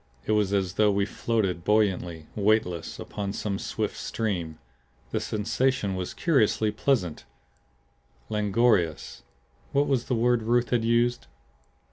It was as though we floated buoyantly, weightless, upon some swift stream. The sensation was curiously pleasant, languorous what was that word Ruth had used?